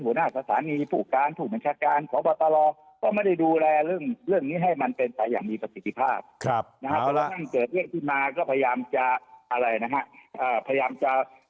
หัวหน้าศาลิศผู้การผู้บรรชาการขอบรับตลอด